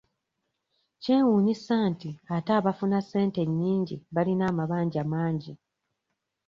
Kyewuunyisa nti ate abafuna ssente ennyingi balina amabanja mangi.